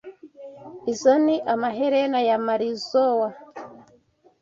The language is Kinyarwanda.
Izo ni amaherena ya Marizoa.